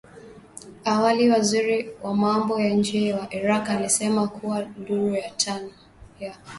Awali waziri wa mambo ya nje wa Iraq alisema kuwa duru ya tano ya